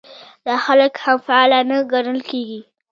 دا خلک هم فعال نه ګڼل کېږي.